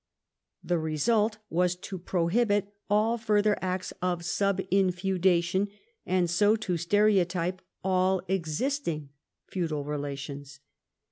The result was to prohibit all further acts of subinfeudation, and so to stereotype all existing feudal relations.